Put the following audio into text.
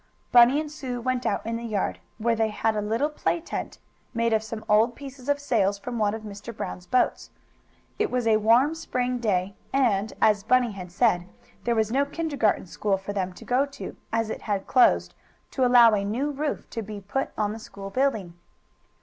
Bunny and Sue went out in the yard, where they had a little play tent, made of some old pieces of sails from one of Mr. Brown's boats. It was a warm spring day, and, as Bunny had said, there was no kindergarten school for them to go to, as it had closed, to allow a new roof to be put on the school building.